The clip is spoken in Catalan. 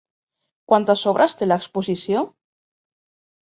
Quantes obres té l'exposició?